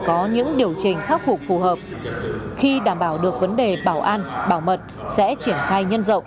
có những điều chỉnh khắc phục phù hợp khi đảm bảo được vấn đề bảo an bảo mật sẽ triển khai nhân rộng